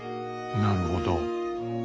なるほど。